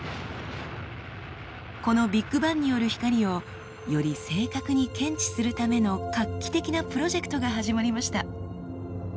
このビッグバンによる光をより正確に検知するための画期的なプロジェクトが始まりました。